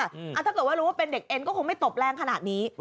แต่ถ้ารู้ว่าเป็นเด็กเอ็นก็คงไม่ตกแรงขนาดนี้